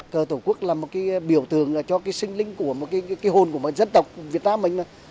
cờ tổ quốc là một cái biểu tượng cho cái sinh linh của một cái hồn của một dân tộc việt nam mình